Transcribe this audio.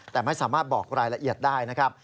แต่ไม่สามารถบอกรายละเอียดได้นะครับ